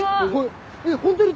ホントだ。